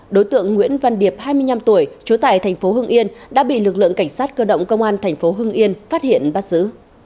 đối tượng nguyễn văn điệp hai mươi năm tuổi trú tại thành phố hưng yên đã bị lực lượng cảnh sát cơ động công an thành phố hưng yên phát hiện bắt giữ